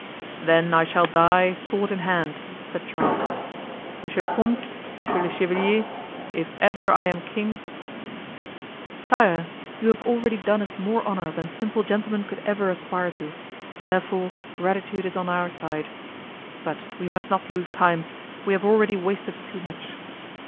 "Then I shall die, sword in hand," said Charles. "Monsieur le comte, monsieur le chevalier, if ever I am king——" "Sire, you have already done us more honor than simple gentlemen could ever aspire to, therefore gratitude is on our side. But we must not lose time. We have already wasted too much."